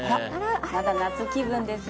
まだ夏気分ですね。